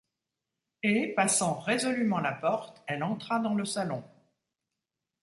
Et, passant résolûment la porte, elle entra dans le salon.